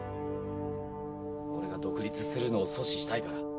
俺が独立するのを阻止したいから。